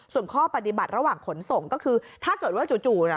ส่วนข้อปฏิบัติระหว่างขนส่งก็คือถ้าเกิดว่าจู่เนี่ย